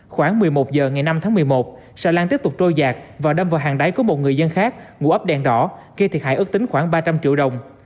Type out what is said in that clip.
khoảng một mươi một h ngày năm tháng một mươi một xà lan tiếp tục trôi giạc và đâm vào hàng đáy của một người dân khác ngủ ấp đèn đỏ gây thiệt hại ước tính khoảng ba trăm linh triệu đồng